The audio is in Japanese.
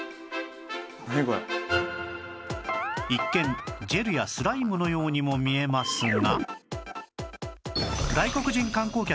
一見ジェルやスライムのようにも見えますが